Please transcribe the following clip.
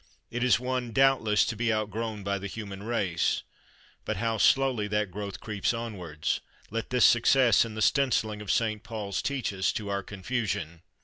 It is one, doubtless, to be outgrown by the human race; but how slowly that growth creeps onwards, let this success in the stencilling of St Paul's teach us, to our confusion.